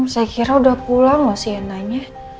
saya kira udah pulang loh sienanya